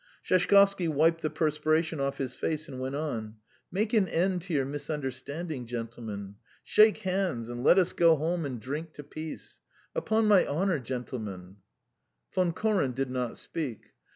Sheshkovsky wiped the perspiration off his face and went on: "Make an end to your misunderstanding, gentlemen; shake hands, and let us go home and drink to peace. Upon my honour, gentlemen!" Von Koren did not speak.